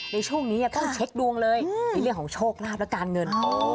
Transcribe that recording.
ในช่วงนี้ต้องเช็คดวงเลยในเรื่องของโชคลาภและการเงิน